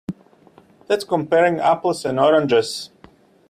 That's comparing apples and oranges.